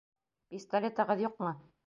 Пистолетығыҙ юҡмы?